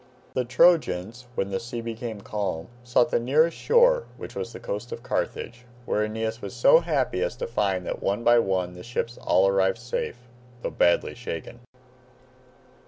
The Trojans, when the sea became calm, sought the nearest shore, which was the coast of Carthage, where Aeneas was so happy as to find that one by one the ships all arrived safe, though badly shaken.